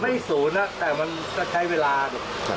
ไม่ศูนย์นะแต่มันต้องใช้เวลา